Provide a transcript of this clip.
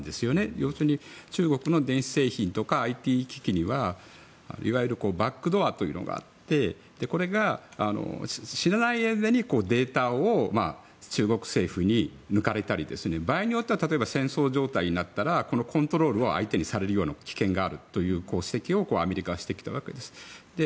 要するに中国の電子製品とかＩＴ機器にはいわゆるバックドアというのがあってこれが知らない間にデータを中国政府に抜かれたり場合によっては例えば戦争状態になったらこのコントロールを相手にされるような危険があるという指摘をアメリカはしてきたわけです。